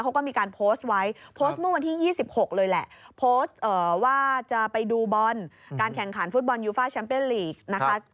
เขาก็มีการโพสต์ไว้โพสต์เมื่อวันที่๒๖เลยแหละโพสต์ว่าจะไปดูบอลการแข่งขันฟุตบอลยูฟ่าแชมเปญลีกนะคะ